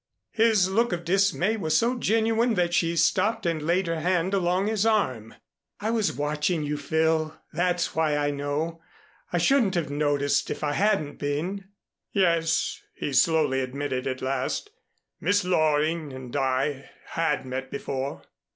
His look of dismay was so genuine that she stopped and laid her hand along his arm. "I was watching you, Phil. That's why I know. I shouldn't have noticed, if I hadn't been." "Yes," he slowly admitted at last. "Miss Loring and I had met before."